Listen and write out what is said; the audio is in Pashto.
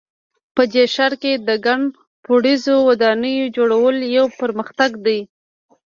په دې ښار کې د ګڼ پوړیزو ودانیو جوړول یو پرمختګ ده